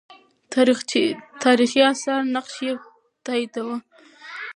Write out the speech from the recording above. تاریخي آثار نقش یې تاییداوه.